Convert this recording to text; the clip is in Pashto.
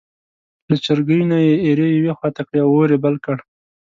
له چرګۍ نه یې ایرې یوې خوا ته کړې او اور یې بل کړ.